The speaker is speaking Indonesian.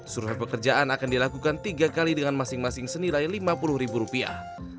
survei pekerjaan akan dilakukan tiga kali dengan masing masing senilai lima puluh ribu rupiah